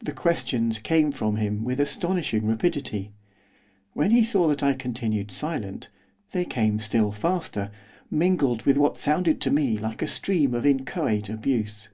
The questions came from him with astonishing rapidity. When he saw that I continued silent, they came still faster, mingled with what sounded to me like a stream of inchoate abuse.